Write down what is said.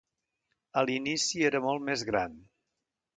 A l'inici era molt més gran.